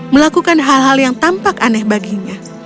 melakukan hal hal yang tampak aneh baginya